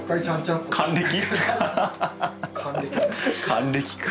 還暦か。